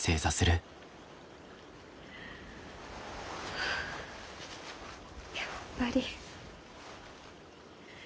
はあやっぱり。